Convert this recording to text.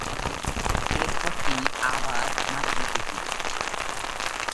এর পর তিনি আবার মাদ্রিদে ফিরে যান।